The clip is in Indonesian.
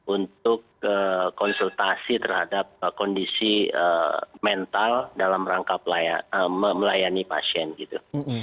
untuk konsultasi terhadap kondisi mental dalam rangka melayani pasien gitu